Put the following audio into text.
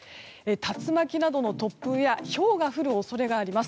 竜巻などの突風やひょうが降る恐れがあります。